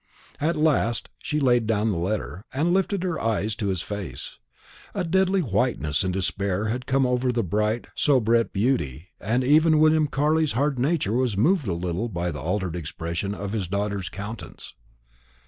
At last she laid down the letter, and lifted her eyes to his face. A deadly whiteness and despair had come over the bright soubrette beauty, and even William Carley's hard nature was moved a little by the altered expression of his daughter's countenance.